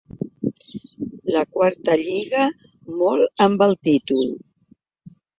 La quarta lliga molt amb el títol.